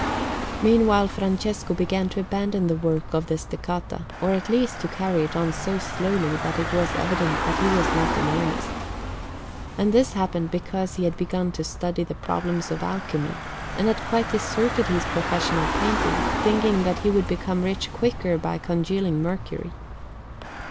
Meanwhile Francesco began to abandon the work of the Steccata, or at least to carry it on so slowly that it was evident that he was not in earnest. And this happened because he had begun to study the problems of alchemy, and had quite deserted his profession of painting, thinking that he would become rich quicker by congealing mercury.